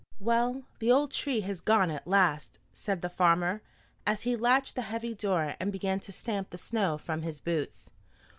"Well, the old tree has gone at last," said the farmer, as he latched the heavy door and began to stamp the snow from his boots.